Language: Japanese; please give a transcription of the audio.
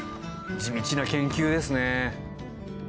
地道な研究ですね。